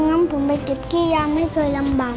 งั้นผมไปเก็บขี้ยางไม่เคยลำบาก